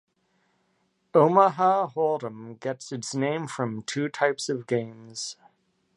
Omaha Hold'em gets its name from two types of games.